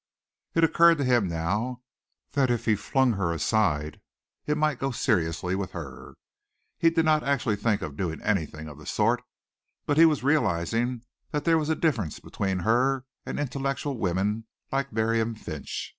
It occurred to him now that if he flung her aside it might go seriously with her. He did not actually think of doing anything of the sort, but he was realizing that there was a difference between her and intellectual women like Miriam Finch.